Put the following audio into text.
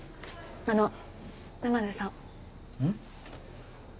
あの沼津さんうん？